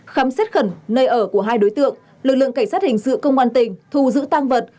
khám xét khẩn nơi ở của hai đối tượng lực lượng cảnh sát hình sự công an tỉnh thu giữ tăng vật